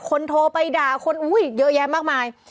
คนโทรไปด่าคนเยอะแยะมากมาย